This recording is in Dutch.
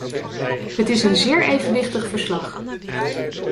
Het is een zeer evenwichtig verslag.